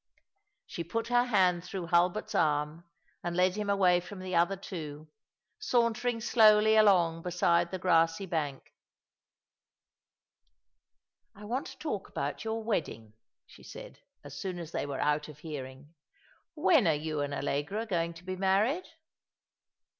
She put her hand through Hulbert's arm, and led him away from the other two, sauntering slowly along beside the grassy bank. " I want to talk about your wedding," she said, as soon as they were out of hearing. "When are you and Allegra going to be married